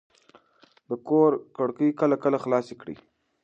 د کور کړکۍ کله کله خلاصې کړئ.